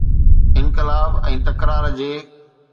انقلاب ۽ تڪرار جي.